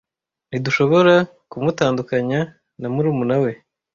Ntidushobora kumutandukanya na murumuna we.